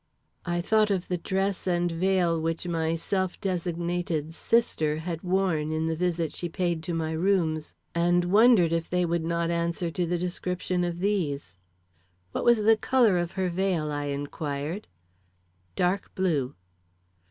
I thought of the dress and veil which my self designated "sister" had worn in the visit she paid to my rooms and wondered if they would not answer to the description of these. "What was the color of her veil?" I inquired. "Dark blue."